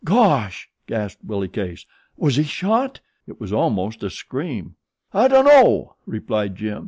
"Gosh!" gasped Willie Case. "Was he shot?" It was almost a scream. "I dunno," replied Jim.